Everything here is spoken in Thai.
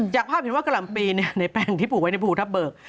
จากภาพเห็นว่ากะหล่ำปีในแป้งที่ปลูกไว้ในภูทับเบิก